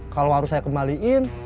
kalau harus saya kembaliin